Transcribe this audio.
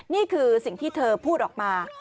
นี่คือสิ่งที่เธอพูดออกมา